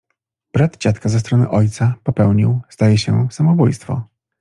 Brat dziadka ze strony ojca popełnił, zdaje się, samobójstwo.